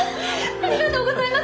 ありがとうございます！